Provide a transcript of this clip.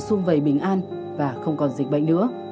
xung vầy bình an và không còn dịch bệnh nữa